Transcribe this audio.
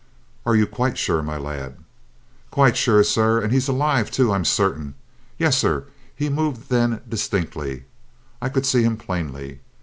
"Are you quite sure, my lad?" "Quite sure, sir. And he's alive, too, I'm certain. Yes, sir; he moved then distinctly. I could see him plainly.